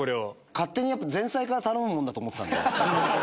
勝手に前菜から頼むものだと思ってたんで。